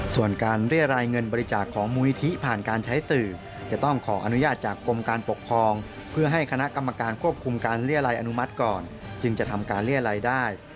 ส่วนการเรียรายเงินบริจาคของมูลิธิผ่านการใช้สื่อจะต้องขออนุญาตจากกรมการปกครองเพื่อให้คณะกรรมการควบคุมการเรียรายอนุมัติก่อนจึงจะทำการเรียรัยได้